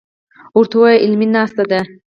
ورته وايه علمي ناسته ده.